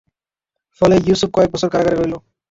ফলে ইউসুফ কয়েক বছর কারাগারে রইল।